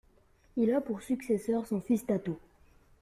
Il a pour successeur son fils Tatto.